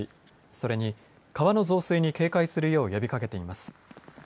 それに、川の増水に警戒するよう呼びかけています。